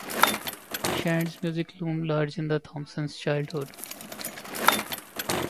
Shand's music loomed large in Thompson's childhood.